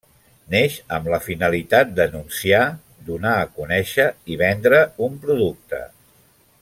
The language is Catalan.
Neix amb la finalitat d'anunciar, donar a conèixer i vendre un producte.